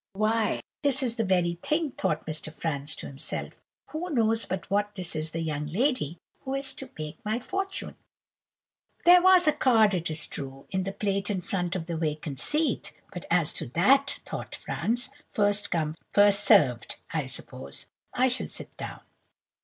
'Why, this is the very thing,' thought Mr. Franz to himself. 'Who knows but what this is the young lady who is to make my fortune?' "There was a card, it is true, in the plate in front of the vacant seat, but 'as to that,' thought Franz, 'first come, first served, I suppose; I shall sit down!